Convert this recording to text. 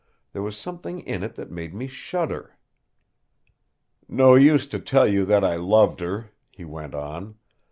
There was something in it that made me shudder. "No use to tell you that I loved her," he went on.